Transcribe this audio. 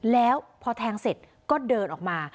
แล้วพอแทงเสร็จก็เดินออกมา